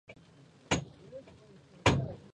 Esto puede usarse para volar grandes rocas.